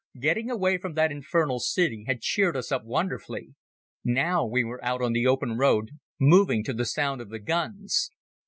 Getting away from that infernal city had cheered us up wonderfully. Now we were out on the open road, moving to the sound of the guns.